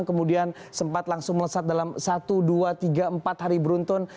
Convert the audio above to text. kemudian sempat langsung melesat dalam satu dua tiga empat hari beruntun